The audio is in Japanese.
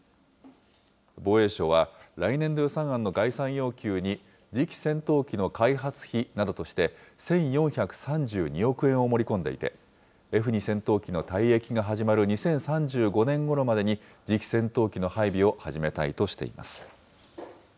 防衛省は、来年度予算案の概算要求に、次期戦闘機の開発費などとして、１４３２億円を盛り込んでいて、Ｆ２戦闘機の退役が始まる２０３５年ごろまでに、次期戦闘機の配備を始めたいとしています。